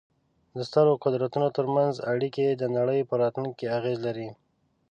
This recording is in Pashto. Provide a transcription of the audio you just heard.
د سترو قدرتونو ترمنځ اړیکې د نړۍ پر راتلونکې اغېز لري.